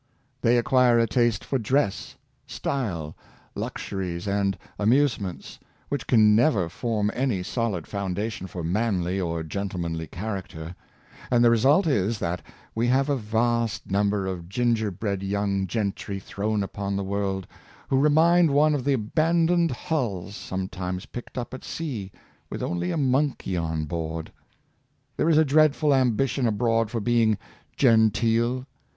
They acquire a taste for dress, style, luxuries, and amusements, which can never form any solid foundation for manly or gentlemanly character; and the result is that we have a vast number of ginger bread young gentry thrown upon the world, who re mind one of the abandoned hulls sometimes picked up at sea, with only a monkey on board. There is a dreadful ambition abroad for being " genteel."